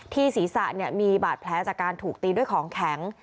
ศีรษะมีบาดแผลจากการถูกตีด้วยของแข็ง